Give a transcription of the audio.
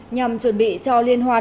nhằm chuẩn bị cho liên hoàn